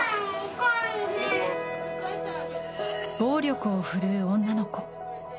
暴力を振るう女の子。